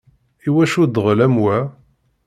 Iwacu ddɣel am wa?